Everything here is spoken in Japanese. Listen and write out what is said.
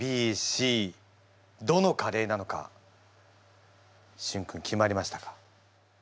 どのカレーなのかしゅん君決まりましたか？